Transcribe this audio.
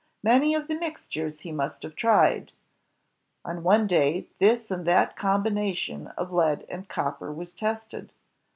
Many are the mixtures he must have tried. On one day, this and that combination of lead and copper was tested.